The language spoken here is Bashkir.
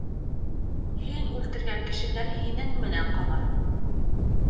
Һин үлтергән кешеләр һинең менән ҡала.